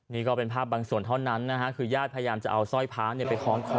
นี่ก็เป็นภาพบางส่วนเท่านั้นนะฮะคือญาติพยายามจะเอาสร้อยพระไปคล้องคอ